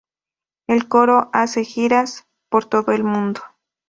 El coro hace giras por todo el mundo.